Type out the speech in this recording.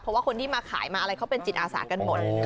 เพราะว่าคนที่มาขายมาอะไรเขาเป็นจิตอาสากันหมด